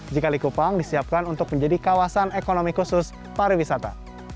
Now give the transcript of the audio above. jika likupang disiapkan untuk menjadi kawasan ekonomi khusus pariwisata